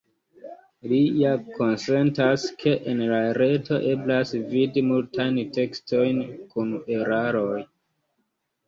Li ja konsentas, ke en la reto eblas vidi multajn tekstojn kun eraroj.